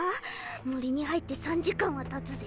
森に入って３時間はたつぜ。